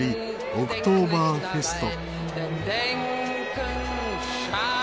オクトーバーフェスト。